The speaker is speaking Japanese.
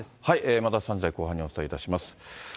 また３時台後半にお伝えします。